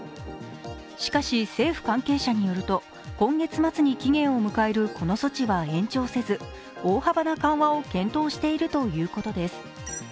しかし、政府関係者によると、今月末に期限を迎えるこの措置は延長せず大幅な緩和を検討しているということです。